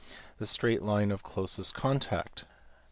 the straight line of closest contact.